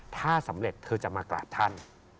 ถ้าสำเร็จเธอจะมากราบท่าน